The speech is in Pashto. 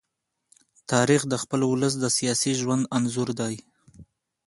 تاریخ د خپل ولس د سیاسي ژوند انځور دی.